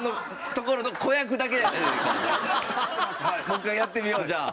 もう一回やってみようじゃあ。